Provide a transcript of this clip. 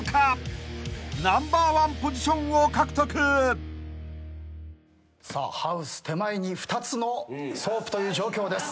［ナンバーワンポジションを獲得］さあハウス手前に２つのソープという状況です。